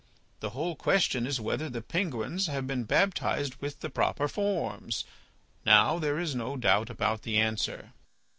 The whole question is whether the penguins have been baptized with the proper forms. Now there is no doubt about the answer."